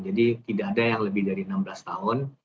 jadi tidak ada yang lebih dari enam belas tahun